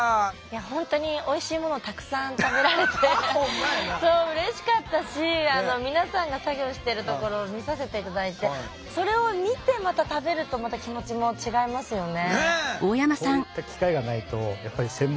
本当においしいものをたくさん食べられてうれしかったし皆さんが作業してるところを見させて頂いてそれを見てまた食べるとまた気持ちも違いますよね。